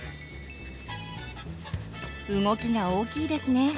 動きが大きいですね。